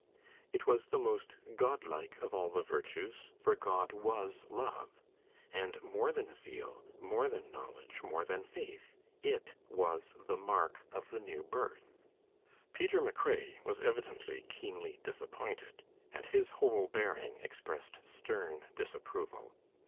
It was the most Godlike of all the virtues, for God was love; and more than zeal, more than knowledge, more than faith, it was "the mark" of the new birth. Peter McRae was evidently keenly disappointed, and his whole bearing expressed stern disapproval.